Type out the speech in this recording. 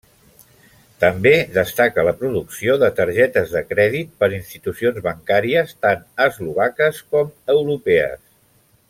També destaca la producció de targetes de crèdit per institucions bancàries tant eslovaques com europees.